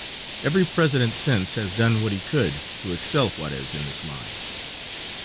Every president since then has done what he could to excel Juarez in this line.